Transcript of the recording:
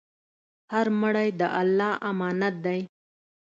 هر مړی د الله امانت دی.